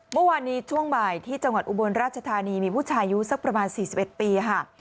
เมื่อวานนี้ช่วงบ่ายที่จังหวัดอุบลราชธานีมีผู้ชายูสักประมาณสี่สิบเอ็ดปีฮะ